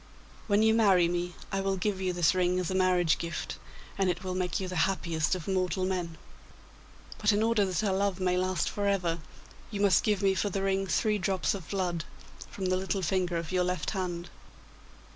When you marry me, I will give you this ring as a marriage gift, and it will make you the happiest of mortal men. But in order that our love may last for ever, you must give me for the ring three drops of blood from the little finger of your left hand.